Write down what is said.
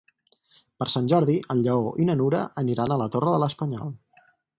Per Sant Jordi en Lleó i na Nura aniran a la Torre de l'Espanyol.